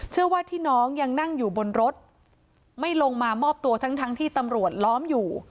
เชื่อว่าที่น้องยังนั่งอยู่บนรถไม่ลงมามอบตัวทั้งทั้งที่ตำรวจล้อมอยู่